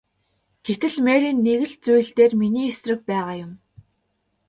Гэтэл Мэри нэг л зүйл дээр миний эсрэг байгаа юм.